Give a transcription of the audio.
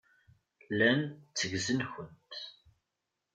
Llan tteggzen-kent.